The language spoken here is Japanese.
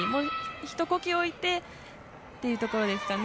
一呼吸置いてというところですかね。